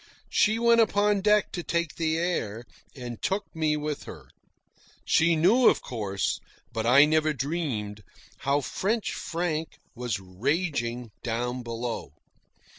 She went upon deck to take the air, and took me with her. She knew, of course, but I never dreamed, how French Frank was raging down below.